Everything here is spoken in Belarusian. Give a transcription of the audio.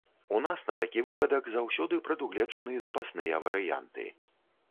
У нас на такі выпадак заўсёды прадугледжаны запасныя варыянты.